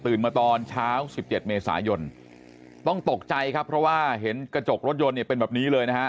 มาตอนเช้า๑๗เมษายนต้องตกใจครับเพราะว่าเห็นกระจกรถยนต์เนี่ยเป็นแบบนี้เลยนะฮะ